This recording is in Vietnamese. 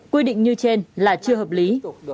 quy định như trên là chưa hợp lý